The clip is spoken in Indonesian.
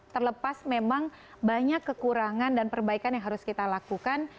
terlepas memang banyak kekurangan dan perbaikan yang harus kita lakukan